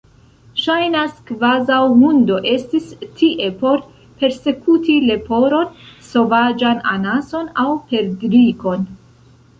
Ŝajnas kvazaŭ hundo estis tie por persekuti leporon, sovaĝan anason aŭ perdrikon.